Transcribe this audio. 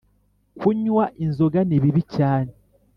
kunywa inzoga ni bibi cyane